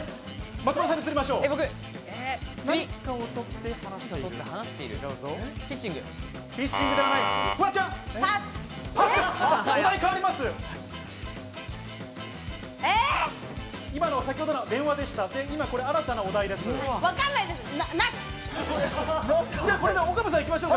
松丸さんに移りましょう。